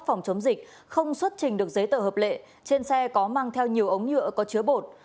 phòng chống dịch không xuất trình được giấy tờ hợp lệ trên xe có mang theo nhiều ống nhựa có chứa bột